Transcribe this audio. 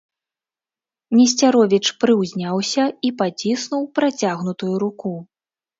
Несцяровіч прыўзняўся і паціснуў працягнутую руку.